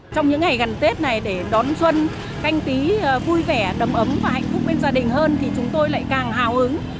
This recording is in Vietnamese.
trong những ngày gần tết này để đón xuân canh tí vui vẻ đầm ấm và hạnh phúc bên gia đình hơn thì chúng tôi lại càng hào hứng